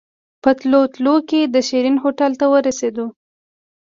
په تلو تلو کې د شيرين هوټل ته ورسېدو.